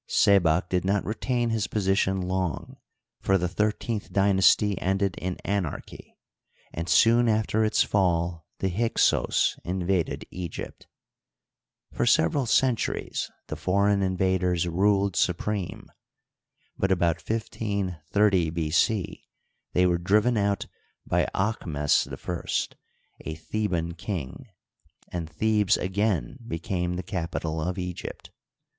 Sebak did not retain his position long, for the thirteenth dynasty ended in anarchy, and soon after its fall the Hyksos in vaded Egypt. For several centuries the foreign invaders ruled supreme ; but about 1 530 B. c. they were driven out by Aahmes I, a Theban king, and Thebes again became the capital of Egypt.